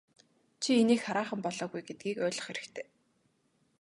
Чи инээх хараахан болоогүй гэдгийг ойлгох хэрэгтэй.